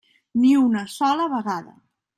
Ni una sola vegada.